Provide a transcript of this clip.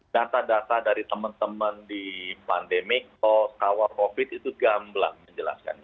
data data dari teman teman di pandemic kawal covid itu gamblang menjelaskan